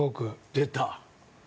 出た。